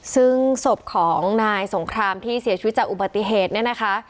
ซึ่งศพของนายสงครามที่เสียชีวิตจากอุบัติเหตุเนี่ยนะคะ